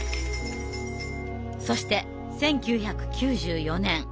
そして１９９４年。